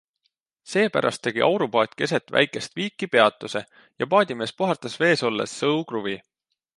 Seepärast tegi aurupaat keset Väikest viiki peatuse ja paadimees puhastas vees olles sõukruvi.